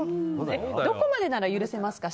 どこまでなら許せますか。